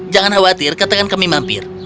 jangan khawatir katakan kami mampir